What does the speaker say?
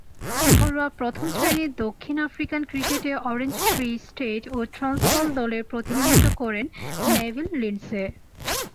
ঘরোয়া প্রথম-শ্রেণীর দক্ষিণ আফ্রিকান ক্রিকেটে অরেঞ্জ ফ্রি স্টেট ও ট্রান্সভাল দলের প্রতিনিধিত্ব করেন নেভিল লিন্ডসে।